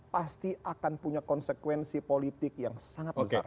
pasti akan punya konsekuensi politik yang sangat besar